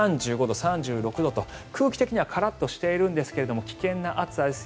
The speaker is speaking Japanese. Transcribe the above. ３５度、３６度と空気的にはカラッとしているんですが危険な暑さです。